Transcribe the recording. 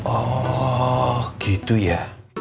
oh gitu ya